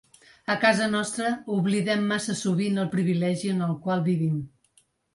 A casa nostra oblidem massa sovint el privilegi en el qual vivim.